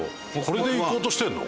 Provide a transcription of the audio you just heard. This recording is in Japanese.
これで行こうとしてるの？